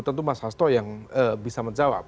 tentu mas hasto yang bisa menjawab